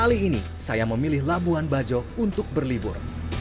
kali ini saya memilih labuan bajo untuk berlibur